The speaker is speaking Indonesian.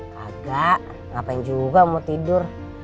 kagak ngapain juga mau tidur